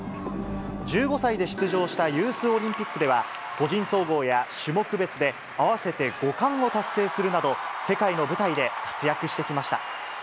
１５歳で出場したユースオリンピックでは、個人総合や種目別で合わせて５冠を達成するなど、世界の舞台で活躍してきました。